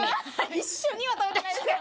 一緒には食べてないですけど。